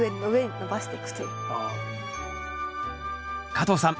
加藤さん